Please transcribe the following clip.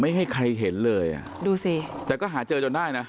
ให้ใครเห็นเลยอ่ะดูสิแต่ก็หาเจอจนได้นะ